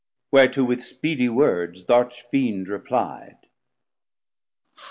Whereto with speedy words th' Arch fiend reply'd.